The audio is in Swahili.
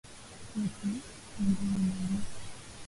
Kwetu (ingawa mbali)